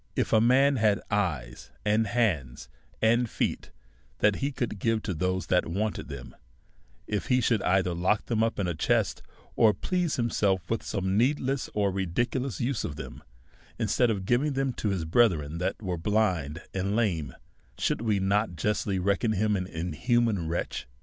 If a man had eyes, and hands, and feet, which he could give to those that wanted them ; if he should either lock them up in a chest, or please himself with some needless or ridiculous use of them, instead of giving them to his brethren that were blind and lame, should we not justly reckon him an inhuman wretch?